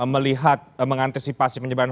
melihat mengantisipasi penyebaran